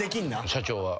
社長は？